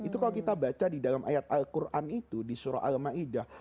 itu kalau kita baca di dalam ayat al qur'an itu di surah al ma'idah